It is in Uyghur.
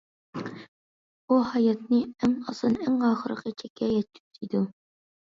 ئۇ ھاياتنى ئەڭ ئاسان ئەڭ ئاخىرقى چەككە يەتكۈزىدۇ.